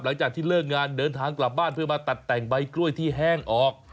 หลังจากที่เลิกงานเดินทางกลับบ้านเพื่อมาตัดแต่งใบกล้วยที่แห้งออก